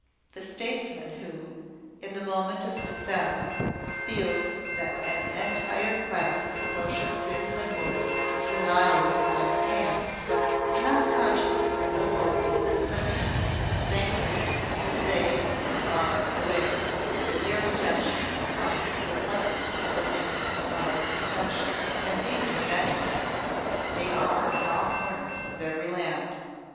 The statesman who, in the moment of success, feels that an entire class of social sins and woes is annihilated by his hand, is not conscious of so holy and so intimate a thankfulness as they who are aware that their redemption is come in the presence of a new and sovereign affection. And these are many they are in all corners of every land.